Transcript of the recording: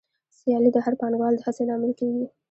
سیالي د هر پانګوال د هڅې لامل کېږي